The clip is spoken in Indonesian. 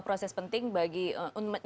proses yang lebih mudah